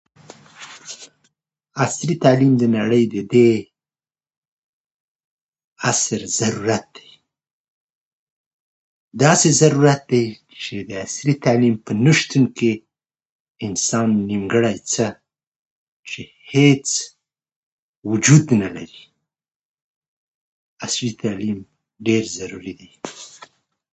عصري تعلیم د نړۍ د دې عصر ضرورت دی. داسې ضرورت دی چې د عصري تعلیم په نه شتون کې انسان نیمګړی، څه چې هېڅ وجود نه لري. عصري تعلیم ډېر ضروري دی.